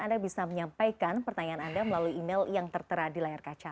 anda bisa menyampaikan pertanyaan anda melalui email yang tertera di layar kaca